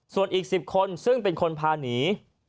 ส่วนอีก๑๐คนซึ่งเป็นคนพาหนี